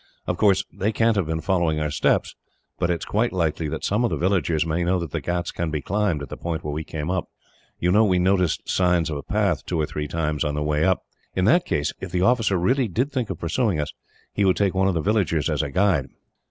Of course, they can't have been following our steps, but it is quite likely that some of the villagers may know that the ghauts can be climbed at the point where we came up. You know we noticed signs of a path, two or three times, on the way up. In that case, if the officer really did think of pursuing us, he would take one of the villagers as guide."